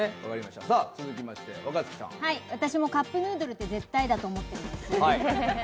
私もカップヌードルって絶対だと思ってるんです。